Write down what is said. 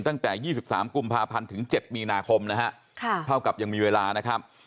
ตั้งแต่๒๓กุมภาพันธ์ถึง๗มีนาคมนะฮะเท่ากับยังมีเวลานะครับ